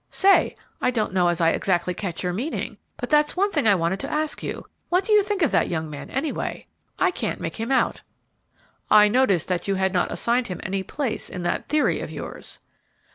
"Say! I don't know as I exactly catch your meaning; but that's one thing I wanted to ask you. What do you think of that young man, anyway? I can't make him out." "I noticed that you had not assigned him any place in that theory of yours."